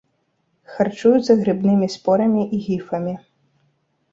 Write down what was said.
Харчуюцца грыбнымі спорамі і гіфамі.